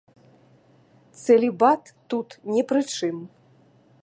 Цэлібат тут не пры чым.